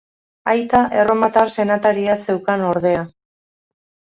Aita erromatar senataria zeukan ordea.